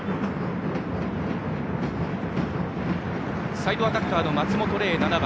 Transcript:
サイドアタッカーの松本怜、７番。